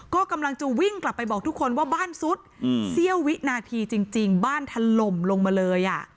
ก็กำลังจะวิ่งกลับไปบอกทุกคนว่าบ้านซุดเสี้ยววินาทีจริงบ้านถล่มลงมาเลย